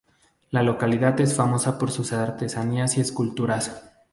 La localidad es famosa por sus artesanías y esculturas.